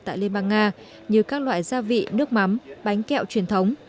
tại liên bang nga như các loại gia vị nước mắm bánh kẹo truyền thống